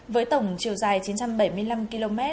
với tổng chiều dài chín trăm bảy mươi năm km